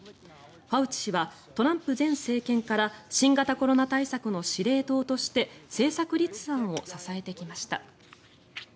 ファウチ氏はトランプ前政権から新型コロナ対策の司令塔として政策立案を支えてきました。